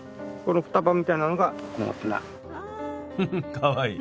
かわいい。